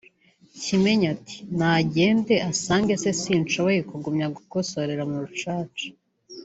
Kimenyi ati “Nagende asange se sinshoboye kugumya kugosorera mu rucaca